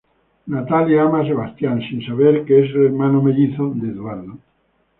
Natalia ama a Sebastián, sin saber que es el hermano mellizo de Eduardo.